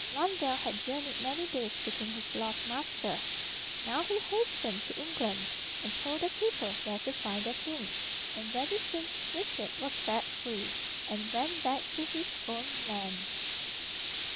Blondel had journeyed many days seeking his lost master. Now he hastened to England, and told the people where to find their king, and very soon Richard was set free, and went back to his own land.